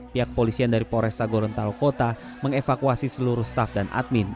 pihak polisian dari poresta gorontalo kota mengevakuasi seluruh staff dan admin